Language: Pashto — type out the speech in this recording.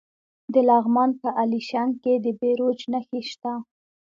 د لغمان په الیشنګ کې د بیروج نښې شته.